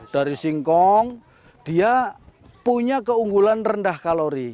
dari singkong dia punya keunggulan rendah kalori